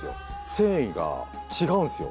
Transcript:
繊維が違うんですよ